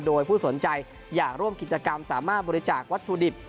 โดยผู้สนใจอยากร่วมกิจกรรมสามารถบริจาควัตถุดิบ